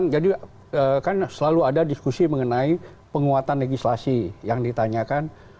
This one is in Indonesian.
jadi kan selalu ada diskusi mengenai penguatan legislasi yang ditanyakan